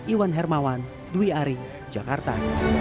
iwan hermawan dwi ari jakarta